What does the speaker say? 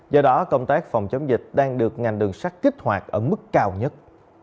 do đó công tác phòng chống dịch đang được ngành đường sắt kích hoạt ở mức cao nhất